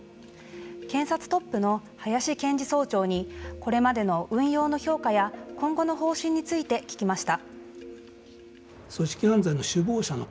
検察トップの林検事総長にこれまでの運用の評価や今後の方針について聞きました。